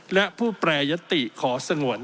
และผู้แปรยติขอสงวน